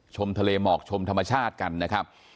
ชมทะเลหมอกชมธรรมชาติกันนะครับ